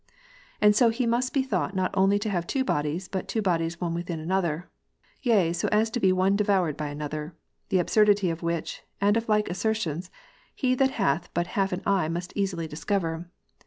And so He must be thought not only to have two bodies, but two bodies one within another ; yea, so as to be one devoured by another : the absurdity of which, and of like assertions, he that hath but half an eye may easily discover.